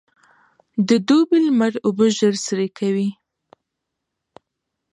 د دوبي لمر اوبه ژر سرې کوي.